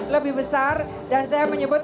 lebih besar dan saya menyebut